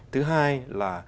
thứ hai là